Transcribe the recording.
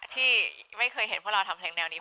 ที่ไม่เคยเห็นเพราะเราทำเพลงแนวนี้